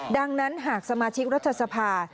ดังนั้นหากสมาชิกรัฐสภา